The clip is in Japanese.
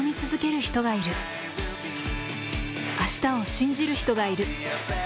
明日を信じる人がいる。